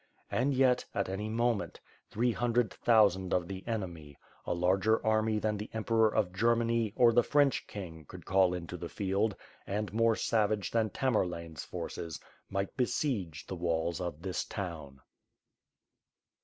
And, yet, at any moment, three hundred thousand of the enemy, a larger army than the emperor of Germany, or the French king, could call into the field, and more savage than Tamerlane^s forces, might besiege the walls of this town.